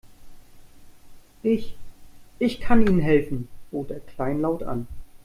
Ich, ich kann Ihnen helfen, bot er kleinlaut an.